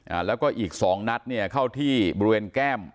อ่าแล้วก็อีกสองนัดเนี่ยเข้าที่บริเวณแก้ม